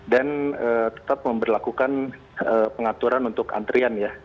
dan tetap memperlakukan pengaturan untuk antrean ya